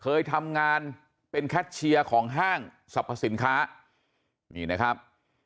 เคยทำงานเป็นแคทเชียร์ของห้างสรรพสินค้านี่นะครับ